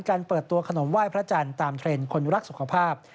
เปิดตัวขนมไหว้พระจันทร์ตามเทรนด์คนรักสุขภาพ